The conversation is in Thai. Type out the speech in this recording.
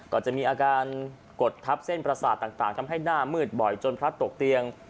ก็จะมีอาการกดทับเส้นประสาทต่างทำให้หน้ามืดบ่อยจนพระตกเตียง